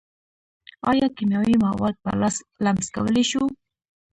ایا کیمیاوي مواد په لاس لمس کولی شو.